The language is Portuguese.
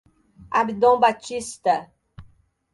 Abdon Batista